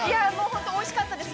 ◆本当おいしかったです